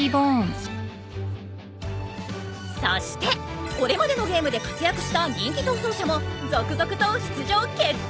そしてこれまでのゲームで活躍した人気逃走者も続々と出場決定！